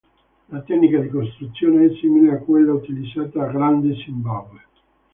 La tecnica di costruzione è simile a quella utilizzata a Grande Zimbabwe.